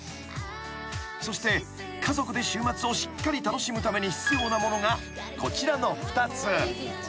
［そして家族で週末をしっかり楽しむために必要なものがこちらの２つ］